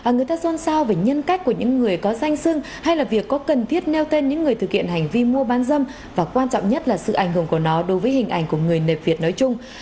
người ta xôn xao về nhân cách của những người có danh sưng hay là việc có cần thiết nêu tên những người thực hiện hành vi mua bán dâm và quan trọng nhất là sự ảnh hưởng của nó đối với hình ảnh của người nệp việt nói chung